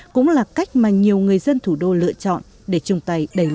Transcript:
cũng là cách mà nhận được những lực lượng y tế